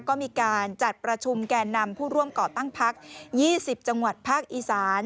ก็มีการจัดประชุมแก่นำผู้ร่วมก่อตั้งพัก๒๐จังหวัดภาคอีสาน